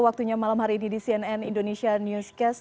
waktunya malam hari ini di cnn indonesia newscast